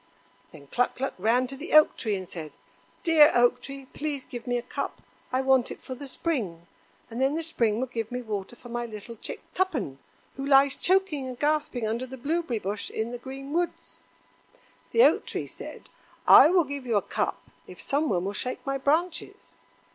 Then Cluck cluck ran to the Oak tree and said: "Dear Oak tree, please give me a cup. I want it for the Spring; and then the Spring will give me water for my little chick Tuppen, who lies choking and gasping under the blueberry bush in the green woods." The Oak tree said: "I will give you a cup if some one will shake my branches."